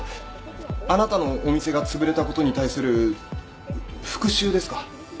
あなたのお店がつぶれたことに対する復讐ですか？